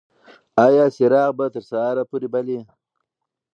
ایا څراغ به تر سهار پورې بل وي؟